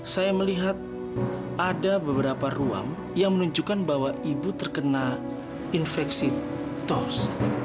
saya melihat ada beberapa ruang yang menunjukkan bahwa ibu terkena infeksi tos